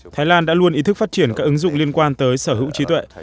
thái lan đã luôn ý thức phát triển các ứng dụng liên quan tới sở hữu trí tuệ